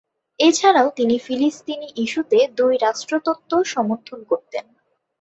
এছাড়াও তিনি ফিলিস্তিনি ইস্যুতে দুই রাষ্ট্র তত্ব সমর্থন করতেন।